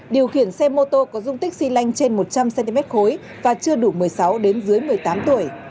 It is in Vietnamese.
điều khiển xe mô tô có dung tích xy lanh trên một trăm linh cm khối và chưa đủ một mươi sáu đến dưới một mươi tám tuổi